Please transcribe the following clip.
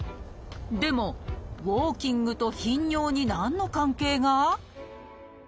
でもウォーキングと頻尿に何の関係が？